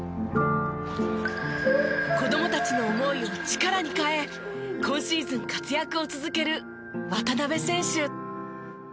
子どもたちの思いを力に変え今シーズン活躍を続ける渡邊選手。